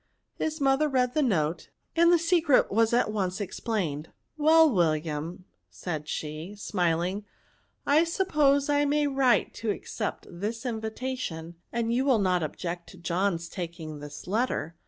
His mother read the note, and the secret was at once ex plained. " Well, William," said she, smiling, I suppose I may write to accept this in vitation, and you will not object to John's taking this letter."